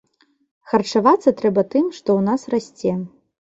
Харчавацца трэба тым, што ў нас расце.